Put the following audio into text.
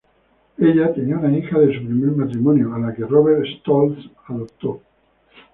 Ella tenía una hija de su primer matrimonio, a la que Robert Stolz adoptó.